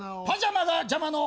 「パジャマが邪魔」